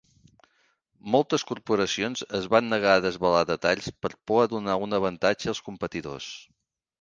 Moltes corporacions es van negar a desvelar detalls per por a donar un avantatge als competidors.